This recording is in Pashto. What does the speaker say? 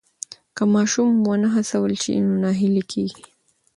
که ماشوم ونه هڅول سي نو ناهیلی کېږي.